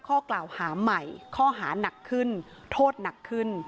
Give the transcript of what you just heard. ข้อกล่าวหาใหม่ข้อหานักขึ้นโทษหนักขึ้น